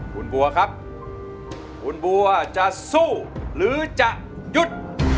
คุณบัวครับคุณบัวจะสู้หรือจะหยุด